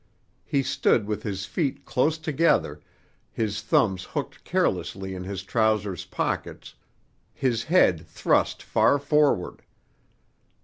He stood with his feet close together, his thumbs hooked carelessly in his trousers pockets, his head thrust far forward.